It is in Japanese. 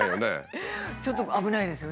ちょっと危ないですよね。